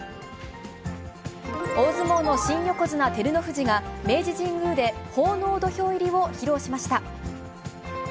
大相撲の新横綱の照ノ富士が、明治神宮で奉納土俵入りを披露しました。